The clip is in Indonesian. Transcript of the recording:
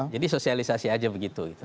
jadi sosialisasi aja begitu